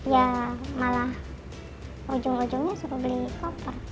ya malah ujung ujungnya suruh beli koper